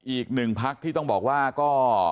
อีกหนึ่งพักที่ต้องบอกว่าก็